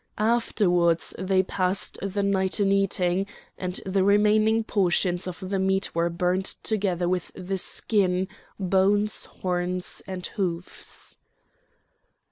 Afterwards they passed the night in eating, and the remaining portions of the meat were burnt together with the skin, bones, horns, and hoofs.